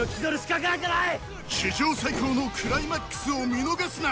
史上最高のクライマックスを見逃すな！